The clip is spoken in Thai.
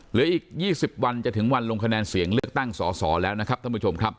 เหลืออีก๒๐วันจะถึงวันลงคะแนนเสียงเลือกตั้งสอสอแล้วนะครับท่านผู้ชมครับ